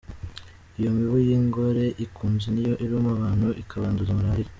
Iyo mibu y’ingore ikuze niyo iruma abantu ikabanduza Malariya.